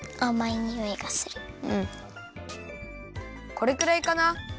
これくらいかな？